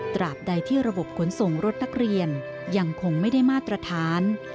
ตราบใดที่ระบบขนส่งรถนักเรียนยังคงไม่ได้มาตรฐาน